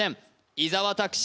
伊沢拓司